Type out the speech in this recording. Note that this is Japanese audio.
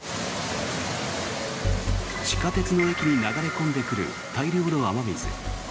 地下鉄の駅に流れ込んでくる大量の雨水。